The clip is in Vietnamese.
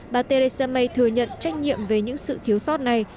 bà theresa may thừa nhận trách nhiệm về những sự thiếu sót này